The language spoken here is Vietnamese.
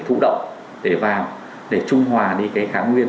thụ động để vào để trung hòa đi cái kháng nguyên